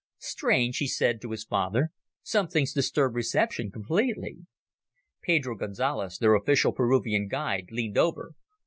"Strange," he said to his father, "something's disturbed reception completely." Pedro Gonzales, their official Peruvian guide, leaned over.